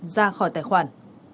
ra khỏi tài khoản